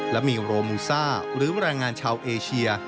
และมีโรมูซ่าหรือแรงงานชาวเอเชีย